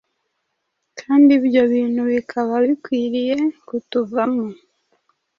Kandi ibyo bintu bikaba bikwiriye kutuvamo.